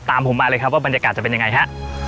ตามผมมาเลยครับว่าบรรยากาศจะเป็นยังไงฮะ